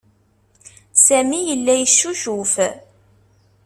Sami yella yeccucuf.